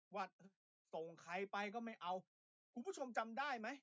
ว่าส่งใครไปก็ไม่เอาคุณผู้ชมจำได้ไหม